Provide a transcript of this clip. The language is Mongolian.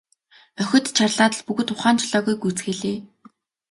Охид чарлаад л бүгд ухаан жолоогүй гүйцгээлээ.